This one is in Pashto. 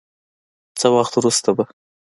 څه وخت وروسته به